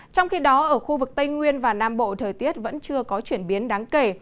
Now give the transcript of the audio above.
trong khi đó ở khu vực tây nguyên và nam bộ thời tiết vẫn chưa có chuyển biến đáng kể